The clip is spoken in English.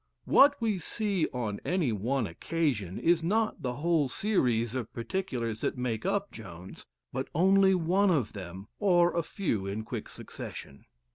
What we see on any one occasion is not the whole series of particulars that make up Jones, but only one of them (or a few in quick succession).